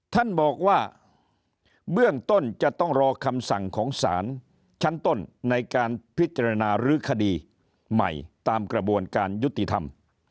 ท่านบอกว่าเบื้องต้นจะต้องรอคำสั่งของสารชั้นต้นในการพิจารณารื้อคดีใหม่ตามกระบวนการยุติธรรม